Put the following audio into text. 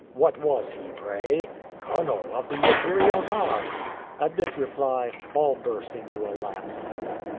"What was he, pray?" "Colonel of the Imperial Guard!" At this reply all burst into a laugh.